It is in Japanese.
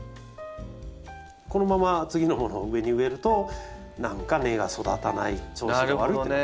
このまま次のものを上に植えると何か根が育たない調子が悪いとなる。